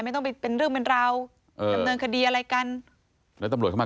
ไม่ต้องไปเป็นเรื่องเป็นราวเออดำเนินคดีอะไรกันแล้วตำรวจเข้ามา